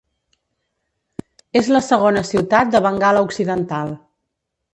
És la segona ciutat de Bengala Occidental.